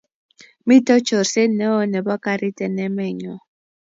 mito chorset neoo nebo karit eng' emenyo.